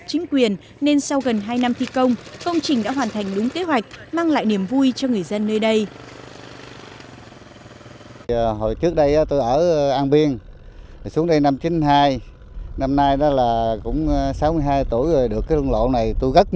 chính quyền nên sau gần hai năm thi công công trình đã hoàn thành đúng kế hoạch mang lại niềm vui cho người dân nơi đây